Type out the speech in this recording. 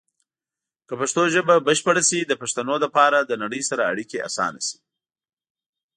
که پښتو ژبه بشپړه شي، د پښتنو لپاره د نړۍ سره اړیکې اسانه شي.